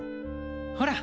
ほら。